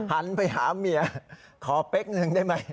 หันไปหาเมียขอเป๊กหนึ่งได้ไหม